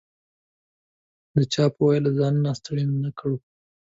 د چا په ویلو ځانونه ستړي نه کړو.